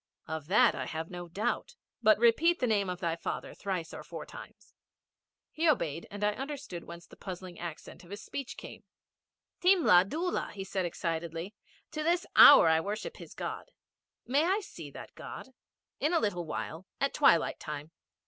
'Of that I have no doubt. But repeat the name of thy father thrice or four times.' He obeyed, and I understood whence the puzzling accent in his speech came. 'Thimla Dhula,' said he excitedly. 'To this hour I worship his God.' 'May I see that God?' 'In a little while at twilight time.'